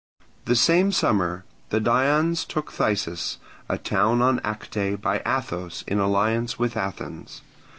The same summer the Dians took Thyssus, a town on Acte by Athos in alliance with Athens.